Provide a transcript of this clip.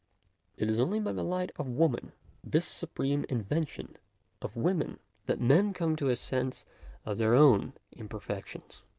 It is only by the light of woman, this supreme invention of women, that men come to a sense of their own im perfections.